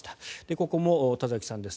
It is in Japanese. ここも田崎さんです。